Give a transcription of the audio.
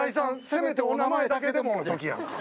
せめてお名前だけでも。の時やがな。